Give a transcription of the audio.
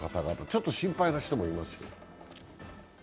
ちょっと心配な人もいますよ。